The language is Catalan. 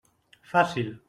Fàcil.